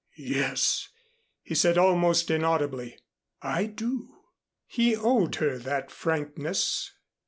"Yes," he said almost inaudibly. "I do." He owed her that frankness.